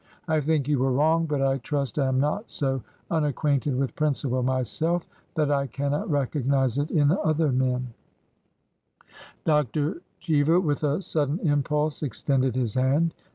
I think you were wrong, but I trust I am not so unac quainted with principle myself that I cannot recognize it in other men—" Dr. Cheever with a sudden impulse extended his hand.